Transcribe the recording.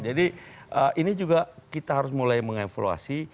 jadi ini juga kita harus mulai mengevaluasi